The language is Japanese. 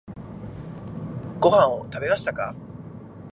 ご飯を食べましたか？